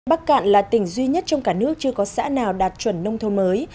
bắc cạn là tỉnh duy nhất trong cả nước chưa có xã nào đạt chuẩn nông thôn mới